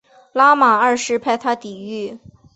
拉玛二世派他抵御。